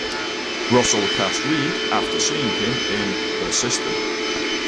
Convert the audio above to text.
Russell cast Reed after seeing him in "The System".